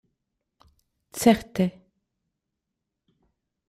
Certe.